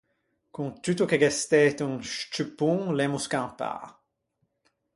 Con tutto che gh’é stæto un scciuppon l’emmo scampâ.